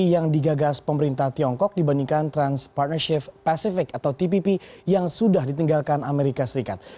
yang digagas pemerintah tiongkok dibandingkan trans partnership pacific atau tpp yang sudah ditinggalkan amerika serikat